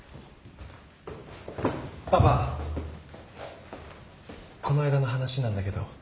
パパこの間の話なんだけど。